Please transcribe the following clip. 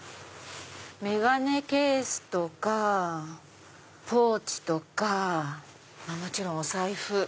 眼鏡ケースとかポーチとかもちろんお財布。